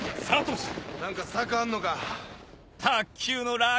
何か策あんのか？